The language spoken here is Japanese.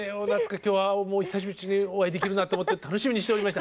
今日はお久しぶりにお会いできるなと思って楽しみにしておりました。